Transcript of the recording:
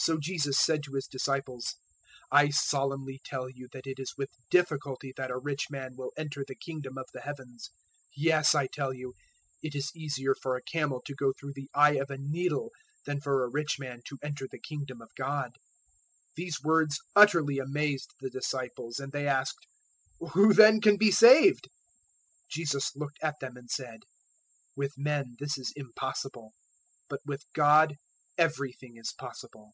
019:023 So Jesus said to His disciples, "I solemnly tell you that it is with difficulty that a rich man will enter the Kingdom of the Heavens. 019:024 Yes, I tell you, it is easier for a camel to go through the eye of a needle than for a rich man to enter the Kingdom of God." 019:025 These words utterly amazed the disciples, and they asked, "Who then can be saved?" 019:026 Jesus looked at them and said, "With men this is impossible, but with God everything is possible."